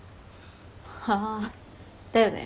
ああだよね。